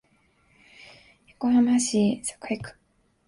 横浜市栄区